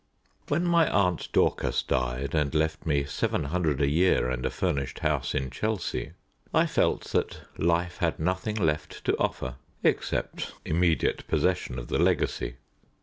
When my Aunt Dorcas died and left me seven hundred a year and a furnished house in Chelsea, I felt that life had nothing left to offer except immediate possession of the legacy.